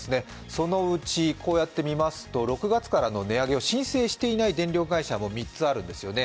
そのうち６月からの値上げを申請していない電力会社も３つあるんですよね。